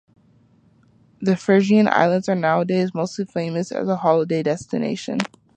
The Frisian Islands are nowadays mostly famous as a holiday destination.